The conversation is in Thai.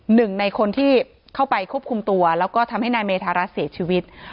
หนึ่งในคนที่เข้าไปควบคุมตัวแล้วก็ทำให้นายเมธารัฐเสียชีวิต